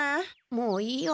もういいよ。